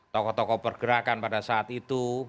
pak cokro bergerakan pada saat itu